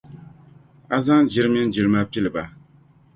A zaŋ jiri mini jilima pili ba.